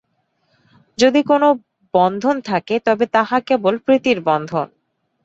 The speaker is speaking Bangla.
যদি কোন বন্ধন থাকে, তবে তাহা কেবল প্রীতির বন্ধন।